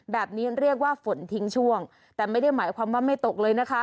แบบนี้เรียกว่าฝนทิ้งช่วงแต่ไม่ได้หมายความว่าไม่ตกเลยนะคะ